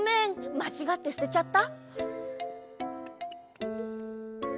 まちがってすてちゃった！？